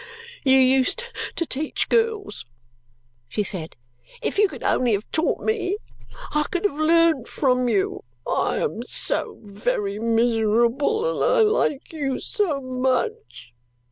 "You used to teach girls," she said, "If you could only have taught me, I could have learnt from you! I am so very miserable, and I like you so much!"